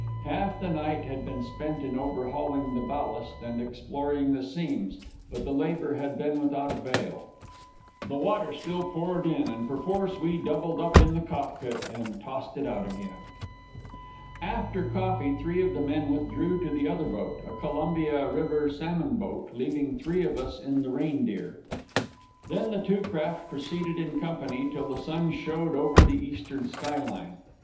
Half the night had been spent in overhauling the ballast and exploring the seams, but the labor had been without avail. The water still poured in, and perforce we doubled up in the cockpit and tossed it out again. After coffee, three of the men withdrew to the other boat, a Columbia River salmon boat, leaving three of us in the Reindeer. Then the two craft proceeded in company till the sun showed over the eastern skyline.